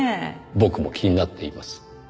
僕も気になっています。